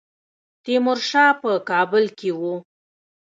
تیمورشاه په کابل کې وو.